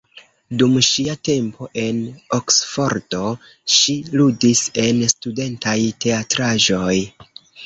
Dum ŝia tempo en Oksfordo, ŝi ludis en studentaj teatraĵoj.